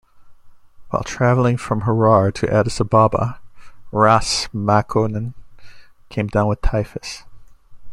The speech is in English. While travelling from Harar to Addis Ababa, "Ras" Makonnen came down with typhus.